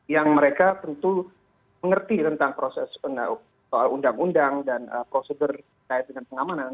yang mereka tentu mengerti tentang proses soal undang undang dan prosedur kait dengan pengamanan